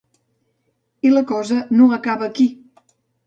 I la cosa no acaba aquí.